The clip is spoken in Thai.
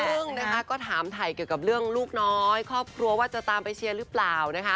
ซึ่งนะคะก็ถามถ่ายเกี่ยวกับเรื่องลูกน้อยครอบครัวว่าจะตามไปเชียร์หรือเปล่านะคะ